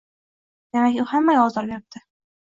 Demak, u hammaga ozor beribdi.